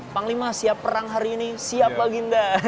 panglima siap perang hari ini siap baginda